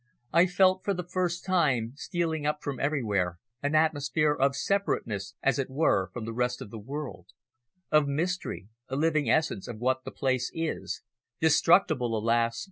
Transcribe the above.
I felt, for the first time, stealing up from everywhere, an atmosphere of separateness, as it were, from the rest of the world, of mystery a living essence of what the place is destructible, alas!